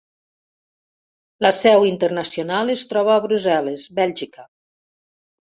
La seu internacional es troba a Brussel·les, Bèlgica.